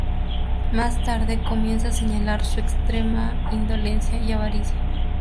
Más tarde comienzan a señalar su extrema indolencia y avaricia.